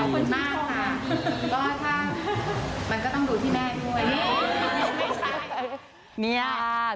ก็ค่ะมันก็ต้องดูพี่แม่ด้วย